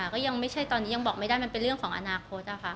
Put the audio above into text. ก็ยังไม่ใช่ตอนนี้ยังบอกไม่ได้มันเป็นเรื่องของอนาคตนะคะ